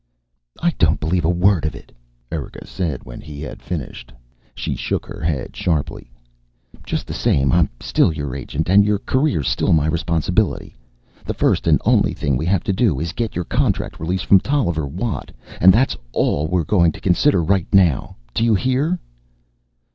"I don't believe a word of it," Erika said, when he had finished. She shook her head sharply. "Just the same, I'm still your agent, and your career's still my responsibility. The first and only thing we have to do is get your contract release from Tolliver Watt. And that's all we're going to consider right now, do you hear?"